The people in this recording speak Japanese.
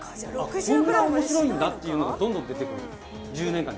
こんな面白いんだっていうのがどんどん出てくる１０年間。